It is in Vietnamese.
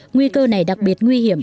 nguy cơ này đặc biệt nguy hiểm